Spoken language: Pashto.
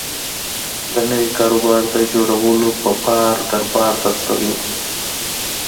د نوي کاروبار د جوړولو په پار دربار ته تللی و.